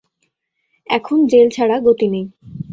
এখন জেল ছাড়া গতি নেই।